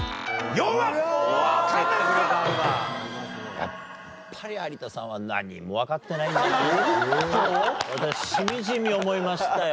やっぱり有田さんは何もわかってないんだなと私しみじみ思いましたよ。